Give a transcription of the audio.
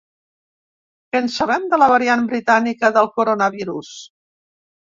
Què en sabem, de la variant britànica del coronavirus?